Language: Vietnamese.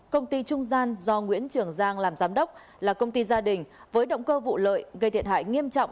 công ty trung gian do nguyễn trường giang làm giám đốc là công ty gia đình với động cơ vụ lợi gây thiệt hại nghiêm trọng